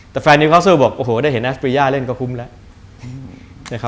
แต่แฟนนิวคอสเซอร์บอกโอ้โหได้เห็นแอสปีย่าเล่นก็คุ้มแล้ว